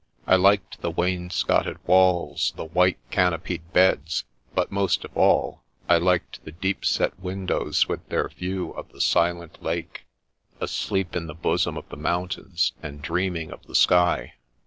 I liked the wainscoted walls, the white, canopied beds, but most of all, I liked the deep set windows with their view of the silent lake, asleep in the bosom of the mountains, and dreaming of the sky.